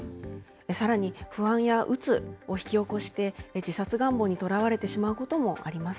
さらに不安やうつを引き起こして、自殺願望にとらわれてしまうこともあります。